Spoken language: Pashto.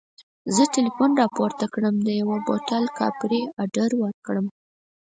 زه ټلیفون راپورته کړم د یوه بوتل کاپري اډر ورکړم.